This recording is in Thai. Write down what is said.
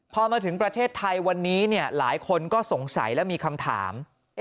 พอมาถึงประเทศไทยวันนี้หลายคนก็สงสัยและมีคำถาม